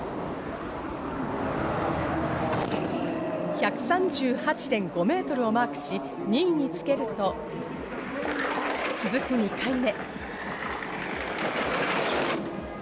１３８．５メートルをマークし、２位につけると、続く２回目。